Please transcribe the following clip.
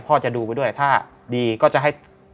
จะดูไปด้วยถ้าดีก็จะให้